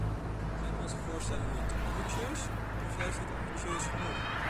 Zijn onze voorstellen nu te ambitieus, of juist niet ambitieus genoeg?